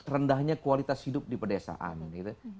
rendahnya kualitas hidup di pedesaan gitu